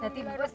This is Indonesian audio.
beras buat rumah